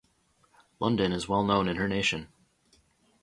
London is well known in her nation.